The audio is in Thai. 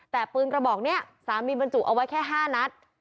แต่ปืนกระบอกนี้สามีบรรจุเอาไว้แค่๕นัด